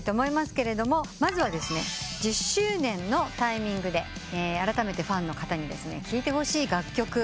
まずは１０周年のタイミングであらためてファンの方に聴いてほしい楽曲